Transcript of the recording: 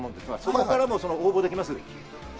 ここからも応募できます。